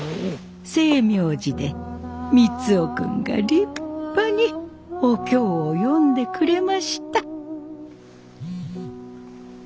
星明寺で三生君が立派にお経を読んでくれました。